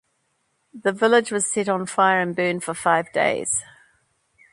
The village was set on fire and burned for five days.